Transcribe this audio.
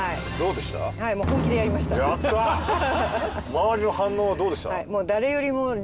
周りの反応はどうでした？